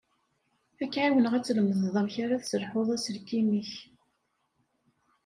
Ad k-εiwneɣ ad tlemdeḍ amek ara tesselḥuḍ aselkim-ik.